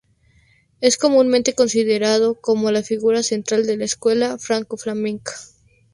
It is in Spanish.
Es comúnmente considerado como la figura central de la escuela franco-flamenca.